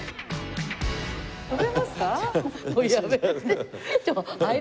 飛べますか？